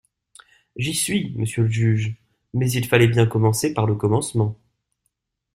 J'y suis, monsieur le juge, mais il fallait bien commencer par le commencement.